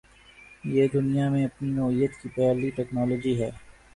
یہ دنیا میں اپنی نوعیت کی پہلی ٹکنالوجی ہے۔